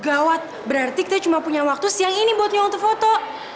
gawat berarti kita cuma punya waktu siang ini buat nyolong tuh foto